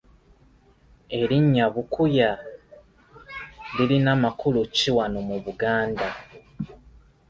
Erinnya Bukuya lirina makulu ki wano mu Buganda?